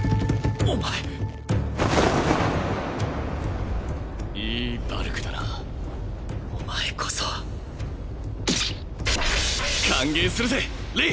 お前いいバルクだなお前こそ歓迎するぜレイ！